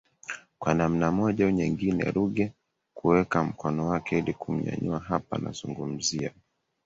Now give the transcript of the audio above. kwa namna moja au nyingine Ruge kuweka mkono wake ili kumnyanyua hapa nazungumzia